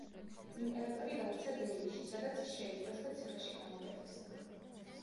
იმპერატორი გაიქცა დელიში, სადაც ის შეიპყრეს და ციხეში გამოკეტეს.